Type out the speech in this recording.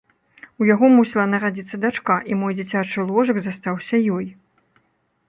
У яго мусіла нарадзіцца дачка, і мой дзіцячы ложак застаўся ёй.